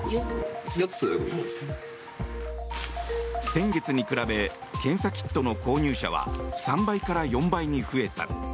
先月に比べ検査キットの購入者は３倍から４倍に増えた。